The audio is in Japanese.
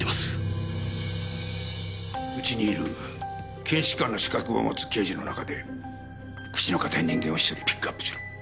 うちにいる検視官の資格を持つ刑事の中で口の堅い人間を１人ピックアップしろ。